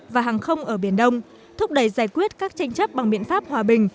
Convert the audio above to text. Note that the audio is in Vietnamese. và hàng không ở biển đông thúc đẩy giải quyết các tranh chấp bằng biện pháp hòa bình